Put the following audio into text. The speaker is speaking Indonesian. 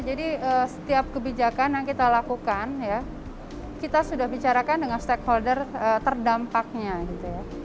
jadi setiap kebijakan yang kita lakukan ya kita sudah bicarakan dengan stakeholder terdampaknya gitu ya